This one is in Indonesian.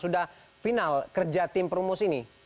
sudah final kerja tim perumus ini